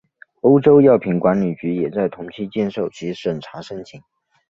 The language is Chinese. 欧洲药品管理局也在同期接受其审查申请。